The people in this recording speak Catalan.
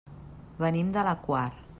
Venim de la Quar.